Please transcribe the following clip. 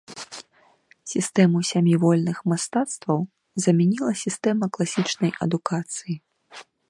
Сістэму сямі вольных мастацтваў замяніла сістэма класічнай адукацыі.